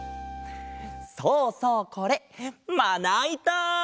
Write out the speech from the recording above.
そうそうこれまないた！